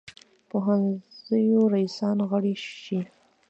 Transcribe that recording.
پوهنځیو رییسان غړي شي.